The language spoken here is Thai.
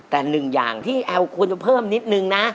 แต่หนึ่งอย่างที่แอลควรจะเพิ่มนิดนึงนะ